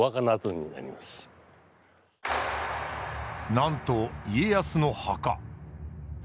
なんと家康の墓。